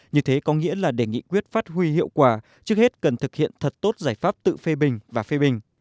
như thế có nghĩa là để nghị quyết phát huy hiệu quả trước hết cần thực hiện thật tốt giải pháp tự phê bình và phê bình